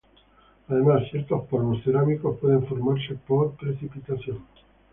Además, ciertos polvos cerámicos pueden formarse por precipitación.